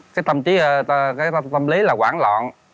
cái tâm trí cái tâm lý là quản loạn